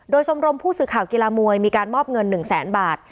โดยชมรมผู้สื่อข่าวกีฬามวยมีการมอบเงิน๑แสนบาท